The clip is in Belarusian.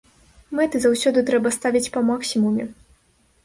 Мэты заўсёды трэба ставіць па максімуме.